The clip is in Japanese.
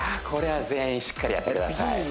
これは全員しっかりやってください